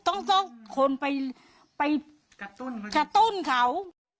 ต้องเอาคนไปกระตุ้นเขา